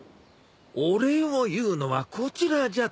お礼を言うのはこちらじゃて。